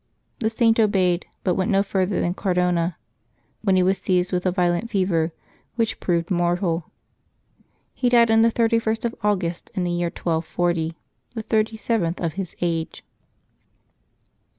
The Saint obeyed, but went no further than Car dona, when he was seized with a violent fever, which proved mortal. He died on the 31st of August, in the year 1240, the thirty seventh of his age.